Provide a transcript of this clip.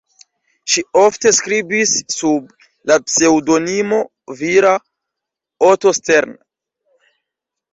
Ŝi ofte skribis sub la pseŭdonimo vira "Otto Stern".